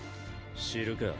知るか。